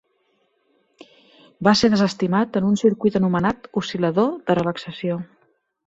Va ser desestimat en un circuit anomenat oscil·lador de relaxació.